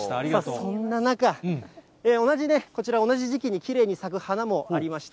そんな中、同じ、こちら同じ時期にきれいに咲く花もありました。